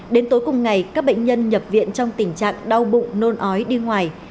đến tối cùng ngày các bệnh nhân nhập viện trong tình trạng đau bụng nôn ói đi ngoài